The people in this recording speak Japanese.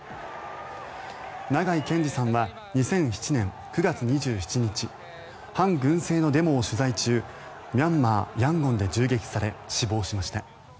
長井健司さんは２００７年９月２７日反軍政のデモを取材中ミャンマー・ヤンゴンで銃撃され死亡しました。